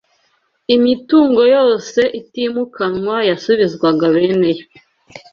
imitungo yose itimukanwa yasubizwaga bene yo